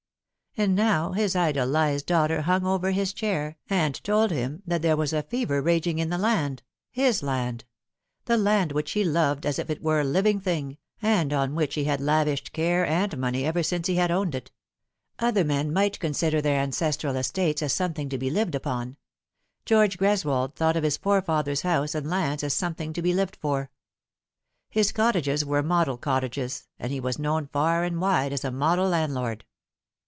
And now his idolised daughter hung over his chair and told him that there was fever raging in the land, his land ; the land which he loved as if it were a living thing, and on which he had lavished care and money ever since he had owned it. Other men might consider their ancestral estates as something to be lived upon ; George Greswold thought of his forefathers' house and lands as something to be lived for. His cottages were model cottages, and he was known far and wide as a model landlord.